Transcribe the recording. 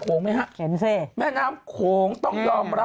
ปรากฏว่า